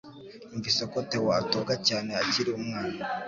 Numvise ko Theo atoga cyane akiri umwana